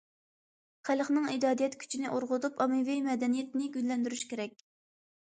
خەلقنىڭ ئىجادىيەت كۈچىنى ئۇرغۇتۇپ، ئاممىۋى مەدەنىيەتنى گۈللەندۈرۈش كېرەك.